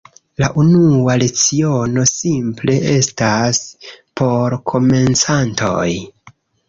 La unua leciono simple estas por komencantoj.